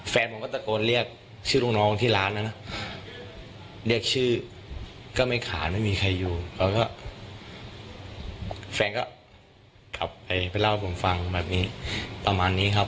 แฟนผมก็ตะโกนเรียกชื่อลูกน้องที่ร้านนะนะเรียกชื่อก็ไม่ขายไม่มีใครอยู่แล้วก็แฟนก็ขับไปไปเล่าให้ผมฟังแบบนี้ประมาณนี้ครับ